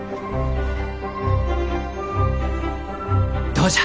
どうじゃ？